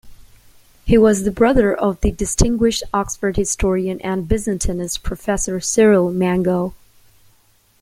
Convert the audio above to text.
He was the brother of the distinguished Oxford historian and Byzantinist Professor Cyril Mango.